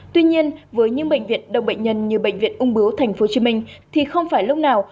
tuy nhiên với những bệnh viện đông bệnh nhân như bệnh viện ung bướu tp hcm thì không phải lúc nào